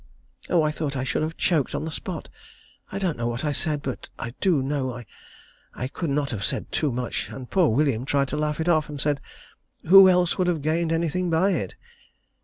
Oh! I thought I should have choked on the spot. I don't know what I said, but I do know I could not have said too much, and poor William tried to laugh it off, and said: "Who else would have gained anything by it?